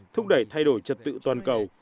thúc đẩy thay đổi trật tự toàn cầu